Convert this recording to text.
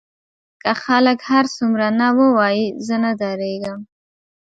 که خلک هر څومره نه ووايي زه نه درېږم.